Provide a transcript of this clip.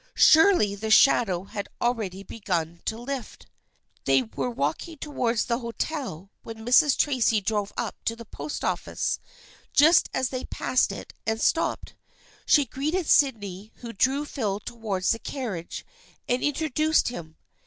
Surely the shadow had already begun to lift. THE FRIENDSHIP OF ANNE 311 They were walking towards the hotel when Mrs. Tracy drove up to the post office, just as they passed it, and stopped. She greeted Sydney, who drew Phil towards the carriage and introduced him.